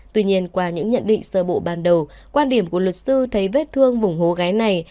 tuy nhiên qua những nhận định sơ bộ ban đầu quan điểm của luật sư thấy vết thương vùng hố ghé này